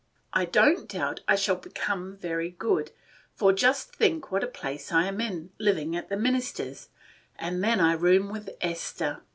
"I don't doubt I shall become very good, for just think what a place I am in, – living at the minister's! and then I room with Esther!